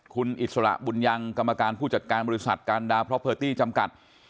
คุณอิสระบุญยังกรรมการผู้จัดการบริษัทการดาวเพราะเพอร์ตี้จำกัด